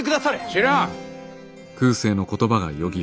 知らん。